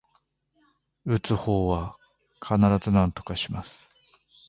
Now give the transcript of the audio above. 打つ方は必ずなんとかします